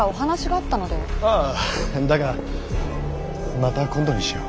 ああだがまた今度にしよう。